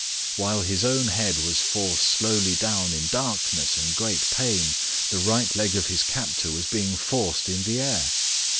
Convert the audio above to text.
While his own head was forced slowly down in darkness and great pain, the right leg of his captor was being forced in the air.